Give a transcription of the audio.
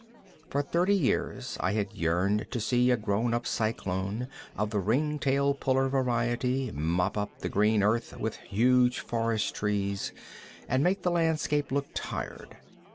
For thirty years I had yearned to see a grown up cyclone, of the ring tail puller variety, mop up the green earth with huge forest trees and make the landscape look tired.